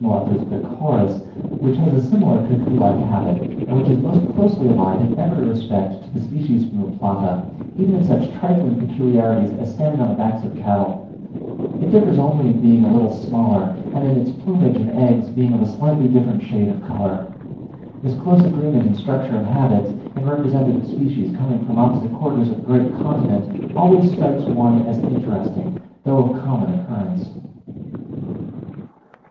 pecoris), which has a similar cuckoo like habit, and which is most closely allied in every respect to the species from the Plata, even in such trifling peculiarities as standing on the backs of cattle; it differs only in being a little smaller, and in its plumage and eggs being of a slightly different shade of colour. This close agreement in structure and habits, in representative species coming from opposite quarters of a great continent, always strikes one as interesting, though of common occurrence.